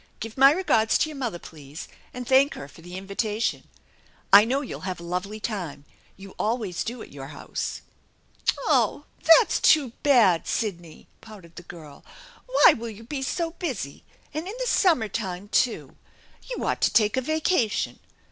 Give my regards to your mother, please, and thank her for the invitation. 1 know you'll have a lovely time, you always do at your house/' " Oh, that's too bad, Sidney !" pouted the girl. " Why will you be so busy ! and in the summer time, too ! You ought to take a vacation